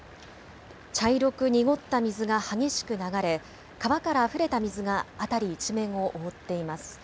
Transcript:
茶色く濁った水が激しく流れ川からあふれた水が辺り一面を覆っています。